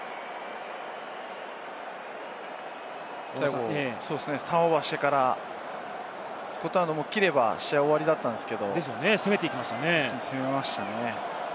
最後ターンオーバーしてからスコットランドが切れば試合終わりだったんですけれども、攻めましたね。